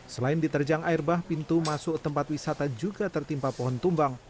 selain diterjang air bah pintu masuk tempat wisata juga tertimpa pohon tumbang